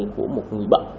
của một người bận